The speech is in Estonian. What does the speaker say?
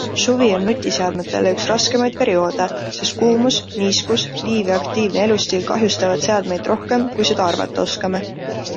Suvi on nutiseadmetele üks raskemaid perioode, sest kuumus, niiskus, liiv ja aktiivne elustiil kahjustavad seadmeid rohkem, kui seda arvata oskame.